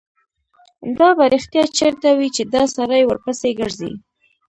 دا به رښتیا چېرته وي چې دا سړی ورپسې ګرځي.